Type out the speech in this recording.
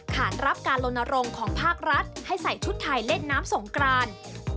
ขานรับการลนรงค์ของภาครัฐให้ใส่ชุดไทยเล่นน้ำสงกราน